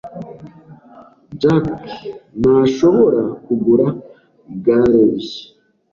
Jack ntashobora kugura igare rishya.